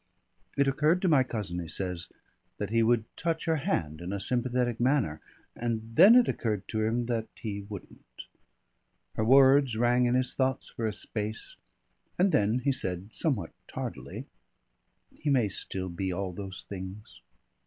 It occurred to my cousin, he says, that he would touch her hand in a sympathetic manner, and then it occurred to him that he wouldn't. Her words rang in his thoughts for a space, and then he said somewhat tardily, "He may still be all those things."